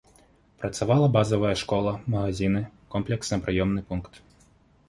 Працавала базавая школа, магазіны, комплексна-прыёмны пункт.